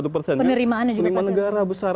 penerimaannya juga besar